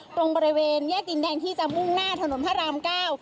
ตรงบริเวณแยกดินแดงที่จะมุ่งหน้าถนนพระรามเก้า